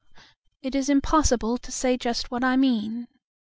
—It is impossible to say just what I mean!